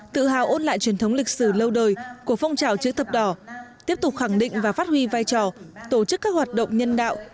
tự hào ôn lại truyền thống lịch sử lâu đời của phong trào chữ thập đỏ tiếp tục khẳng định và phát huy vai trò tổ chức các hoạt động nhân đạo